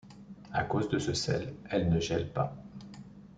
À cause de ce sel, elle ne gèle pas.